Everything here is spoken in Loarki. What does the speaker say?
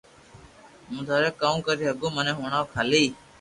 ھون ٿاري ڪاو ڪري ھگو مني ھڻاو کالي